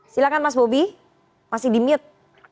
silahkan mas bobi masih di mute